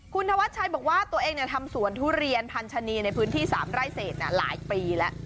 คุณธวัชชัยบอกว่าตัวเองทำสวนทุเรียนพันธนีในพื้นที่๓ไร่เศษหลายปีแล้ว